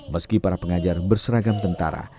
meski para pengajar berseragam tentara